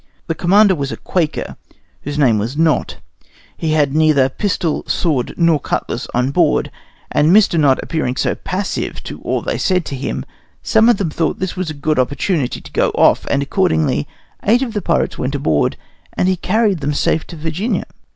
The commander was a Quaker, whose name was Knot; he had neither pistol, sword, nor cutlass on board; and Mr. Knot appearing so very passive to all they said to him, some of them thought this a good opportunity to go off; and accordingly eight of the pirates went aboard, and he carried them safe to Virginia.